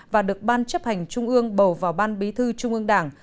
và được ban chấp hành trung ương bầu vào ban bí thư trung ương đảng